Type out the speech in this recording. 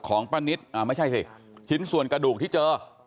ป้านิตไม่ใช่สิชิ้นส่วนกระดูกที่เจอ